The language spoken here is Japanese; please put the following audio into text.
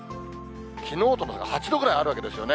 きのうとの差が８度以上あるわけですよね。